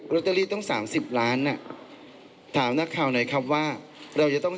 ตเตอรี่ต้องสามสิบล้านอ่ะถามนักข่าวหน่อยครับว่าเราจะต้อง